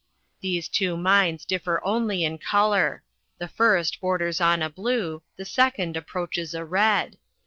These two mmes differ only in colour; the fi^t borders on a blue, the second approaches a red.